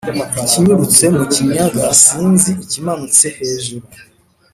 ikinyarutse mu kinyaga/ sinzi ikimanutse hejuru/